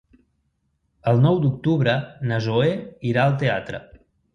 El nou d'octubre na Zoè irà al teatre.